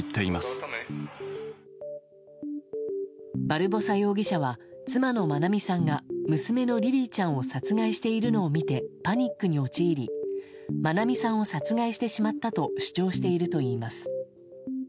バルボサ容疑者は妻の愛美さんが娘のリリィちゃんを殺害しているのを見てパニックに陥り愛美さんを殺害してしまったと主張しているといいます。